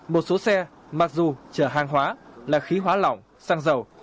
một số xe mặc dù chở hàng hóa là khí hóa lỏng xăng dầu